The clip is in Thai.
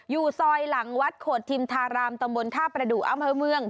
อยู่ซอยหลังวัดโขดธิมธารามตมบลฆาตประดุอำเมือง